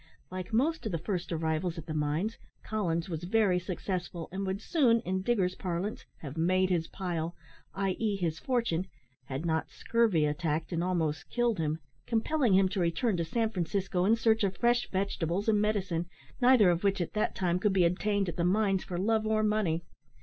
Like most of the first arrivals at the mines, Collins was very successful, and would soon in diggers' parlance have "made his pile," i.e. his fortune, had not scurvy attacked and almost killed him; compelling him to return to San Francisco in search of fresh vegetables and medicine, neither of which, at that time, could be obtained at the mines for love or money.